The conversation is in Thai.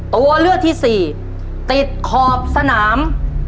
ตัวเลือกที่สี่ติดขอบสนาม